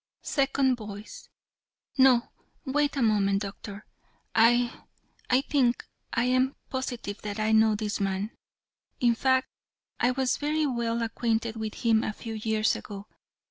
SECOND VOICE: "No, wait a moment, Doctor. I I think I am positive that I know this man. In fact, I was very well acquainted with him a few years ago.